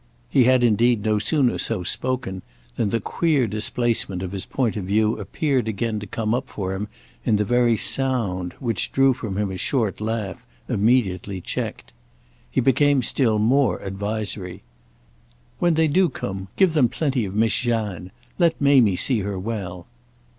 He had indeed no sooner so spoken than the queer displacement of his point of view appeared again to come up for him in the very sound, which drew from him a short laugh, immediately checked. He became still more advisory. "When they do come give them plenty of Miss Jeanne. Let Mamie see her well."